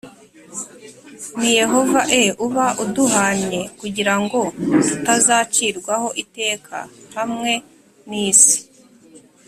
Ni yehova e uba uduhannye kugira ngo tutazacirwaho iteka hamwe n isi